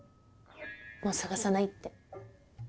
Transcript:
もう捜さないって。